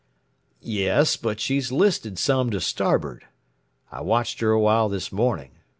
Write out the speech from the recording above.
"Yes, but she's listed some to starboard. I watched her awhile this morning.